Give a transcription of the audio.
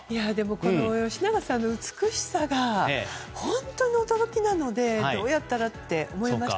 この吉永さんの美しさが本当に驚きなのでどうやったらって思いました。